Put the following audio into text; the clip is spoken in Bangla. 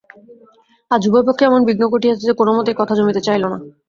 আজ উভয় পক্ষেই এমন বিঘ্ন ঘটিয়াছে যে, কোনোমতেই কথা জমিতে চাহিল না।